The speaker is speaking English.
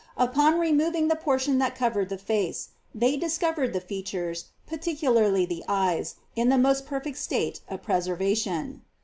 Upon removing the xntion that covered the face, they discovered the features, particularly lie eyes, in the most perfect state of preservation.